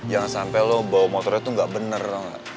jangan sampe lo bawa motornya tuh gak bener tau gak